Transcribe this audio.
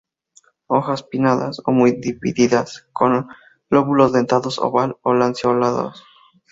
Hojas pinnadas o muy divididas, con lóbulos dentados oval o lanceolados.